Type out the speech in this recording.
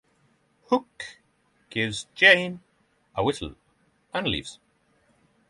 Hook gives Jane a whistle and leaves.